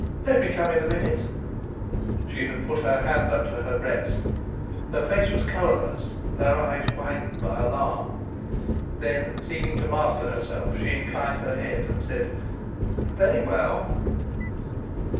Let me come in a minute." She had put her hand up to her breast, her face was colourless, her eyes widened by alarm. Then seeming to master herself, she inclined her head, and said: "Very well."